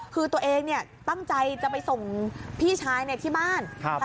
คือตัวเองตั้งใจจะไปส่งพี่ชายเนี่ยที่บ้านครับ